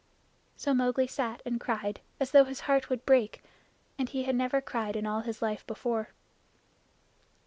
So Mowgli sat and cried as though his heart would break; and he had never cried in all his life before.